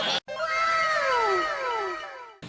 ค่ะค่ะ